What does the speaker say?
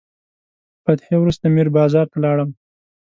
تر فاتحې وروسته میر بازار ته لاړم.